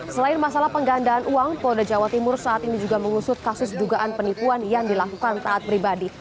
selain masalah penggandaan uang polda jawa timur saat ini juga mengusut kasus dugaan penipuan yang dilakukan taat pribadi